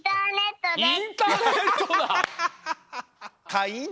インターネットだ！